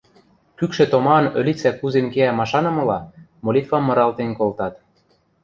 Кӱкшӹ томаан ӧлицӓ кузен кеӓ машанымыла, молитвам мыралтен колтат: